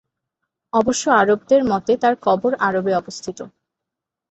অবশ্য আরবদের মতে তার কবর আরবে অবস্থিত।